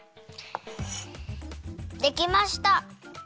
できました。